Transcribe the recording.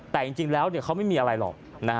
แต่จริงแล้วเขาไม่มีอะไรหรอก